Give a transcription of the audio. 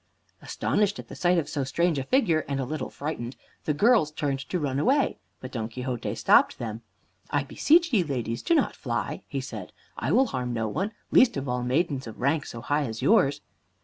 Astonished at the sight of so strange a figure, and a little frightened, the girls turned to run away. But Don Quixote stopped them. "I beseech ye, ladies, do not fly," he said. "I will harm no one, least of all maidens of rank so high as yours."